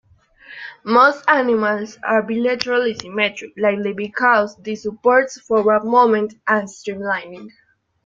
Most animals are bilaterally symmetric, likely because this supports forward movement and streamlining.